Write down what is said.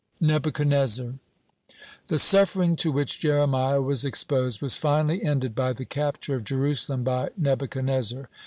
(20) NEBUCHADNEZZAR The suffering to which Jeremiah was exposed was finally ended by the capture of Jerusalem by Nebuchadnezzar.